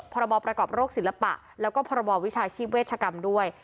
พรบประกอบโรคศิลปะแล้วก็พรบวิชาชีพเวชกรรมด้วย